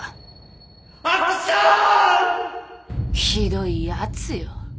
ひどいやつよ。